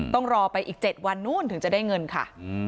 ต้องรอไปอีก๗วันนู้นถึงจะได้เงินค่ะ